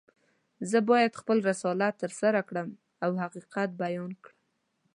زه باید خپل رسالت ترسره کړم او حقیقت بیان کړم.